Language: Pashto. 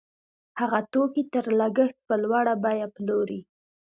هغه توکي تر لګښت په لوړه بیه پلوري